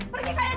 pergi dari sini